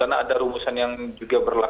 karena ada rumusan yang juga beresiko